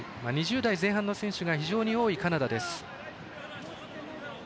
２０代前半の選手が非常に多いカナダです。